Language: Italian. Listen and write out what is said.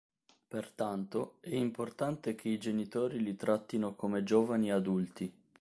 Pertanto, è importante che i genitori li trattino come giovani adulti.